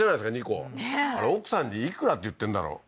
２個あれ奥さんにいくらって言ってるんだろう？